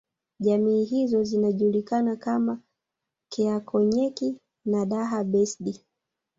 Jamii hizo zinajulikana kama Keekonyokie na Daha Besdi